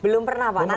belum pernah pak